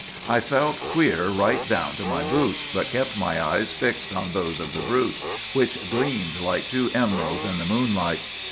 "'I felt queer right down to my boots, but kept my eyes fixed on those of the brute, which gleamed like two emeralds in the moonlight.